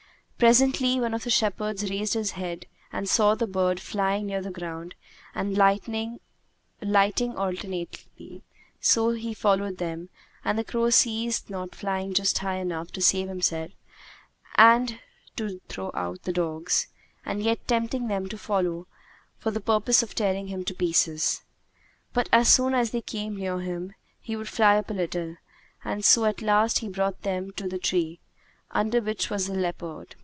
Presently, one of the shepherds raised his head and saw the bird flying near the ground and lighting alternately; so he followed him, and the crow ceased not flying just high enough to save himself and to throw out the dogs; and yet tempting them to follow for the purpose of tearing him to pieces. But as soon as they came near him, he would fly up a little; and so at last he brought them to the tree, under which was the leopard.